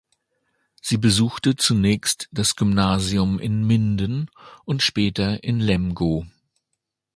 Sie besuchte zunächst das Gymnasium in Minden und später in Lemgo.